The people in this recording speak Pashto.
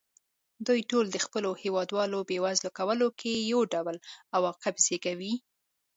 دوی ټول د خپلو هېوادوالو بېوزله کولو کې یو ډول عواقب زېږوي.